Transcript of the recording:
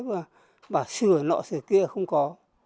nhưng mà bảo xửa nọ xửa kia không có